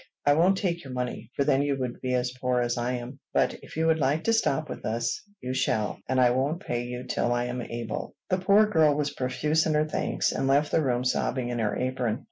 "I won't take your money, for then you would be as poor as I am. But, if you would like to stop with us, you shall; and I won't pay you till I'm able." The poor girl was profuse in her thanks, and left the room sobbing in her apron.